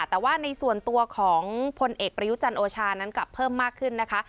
แต่ว่าในส่วนตัวของพลเอกประยุจันทร์โอชานั้นกลับเพิ่มมากขึ้นนะคะ